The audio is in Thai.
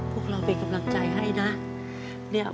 พวกเราเป็นกำลังใจให้นะ